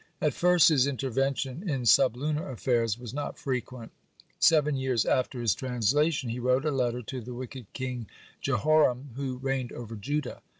At first his intervention in sublunar affairs was not frequent. Seven years after his translation, (43) he wrote a letter to the wicked king Jehoram, who reigned over Judah.